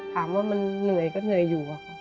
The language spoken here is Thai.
ถามว่ามันเหนื่อยก็เหนื่อยอยู่อะค่ะ